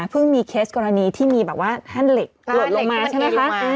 เพิ่งมีเคสกรณีที่มีแบบว่าแห้นเหล็กดนนี้ลงมาใช่ปะอ่า